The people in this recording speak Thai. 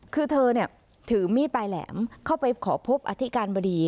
คือเธอถือมีดปลายแหลมเข้าไปขอพบอธิการบดี